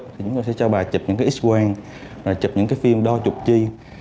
chúng tôi sẽ cho bà chụp những x quang chụp những phim đo trục chi